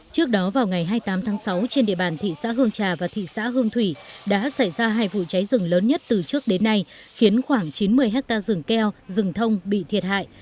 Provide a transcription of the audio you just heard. trước đó vào ngày hai mươi tám tháng sáu trên địa bàn thị xã hương trà và thị xã hương thủy đã xảy ra hai vụ cháy rừng lớn nhất từ trước đến nay khiến khoảng chín mươi hectare rừng keo rừng thông bị thiệt hại